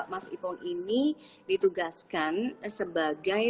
mas ipong ini ditugaskan sebagai